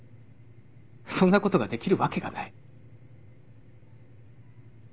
そんなことができるわけがない。